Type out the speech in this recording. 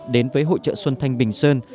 đến với hội chợ xuân thanh bình dơn